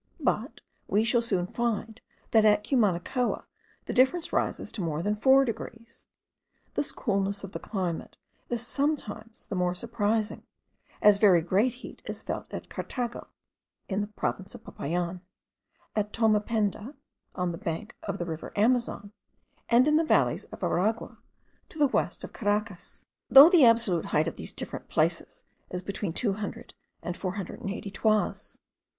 But we shall soon find that at Cumanacoa the difference rises to more than four degrees. This coolness of the climate is sometimes the more surprising, as very great heat is felt at Carthago (in the province of Popayan); at Tomependa, on the bank of the river Amazon, and in the valleys of Aragua, to the west of Caracas; though the absolute height of these different places is between 200 and 480 toises.